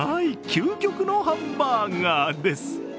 究極のハンバーガーです。